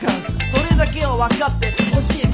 それだけは分かって欲しいッス！